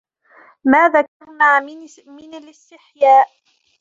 مَا ذَكَرْنَا مِنْ الِاسْتِحْيَاءِ